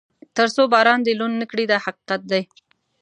تر څو باران دې لوند نه کړي دا حقیقت دی.